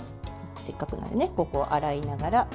せっかくなので、洗いながら。